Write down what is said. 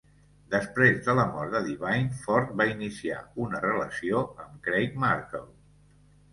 Després de la mort de Divine, Ford va iniciar una relació amb Craig Markle.